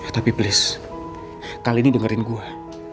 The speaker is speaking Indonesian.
tapi please kali ini dengerin gue